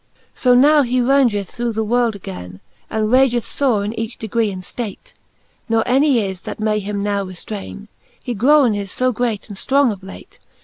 XL. So now he raungeth through the world againe. And rageth fore in each degree and ilate ; Ne any is, that may him now reftraine. He growen is fo great and ftrong of late.